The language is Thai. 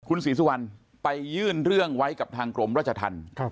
คุณศรีสุวรรณไปยื่นเรื่องไว้กับทางกรมราชธรรม